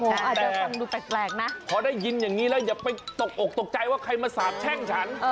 แต่ฟังดูแปลกนะพอได้ยินอย่างนี้แล้วอย่าไปตกอกตกใจว่าใครมาสาบแช่งฉัน